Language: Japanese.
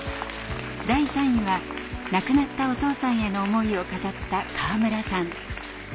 第３位は亡くなったお父さんへの思いを語った河村さん。